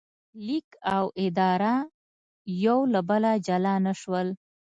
لیک او اداره یو له بله جلا نه شول.